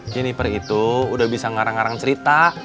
jenniper itu udah bisa ngarang ngarang cerita